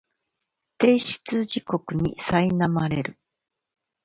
提出地獄にさいなまれる